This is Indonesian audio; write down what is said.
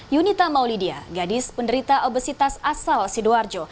yunita maulidia gadis penderita obesitas asal sidoarjo